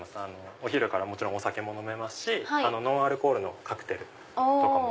お昼からもちろんお酒も飲めますしノンアルコールのカクテルとかも。